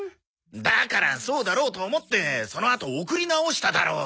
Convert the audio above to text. だからそうだろうと思ってそのあと送り直しただろう。